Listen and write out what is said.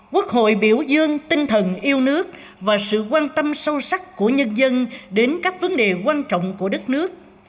quốc hội biểu dương tinh thần yêu nước và sự quan tâm sâu sắc của nhân dân đến các vấn đề quan trọng của đất nước